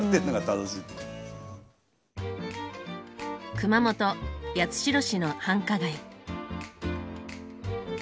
熊本八代市の繁華街。